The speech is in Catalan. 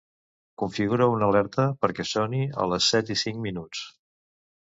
Configura una alerta perquè soni a les set i cinc minuts.